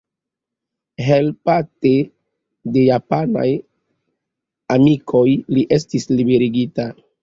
Helpate de japanaj amikoj, li estis liberigita.